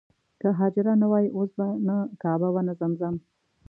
که حاجره نه وای اوس به نه کعبه وه نه زمزم.